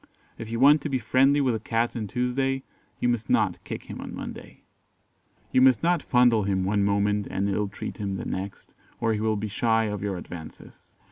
If you want to be friendly with a cat on Tuesday, you must not kick him on Monday. You must not fondle him one moment and illtreat him the next, or he will be shy of your advances.